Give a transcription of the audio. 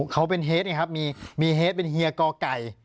เขาเป็นเฮดไงครับมีเฮดเป็นเฮียกอไก่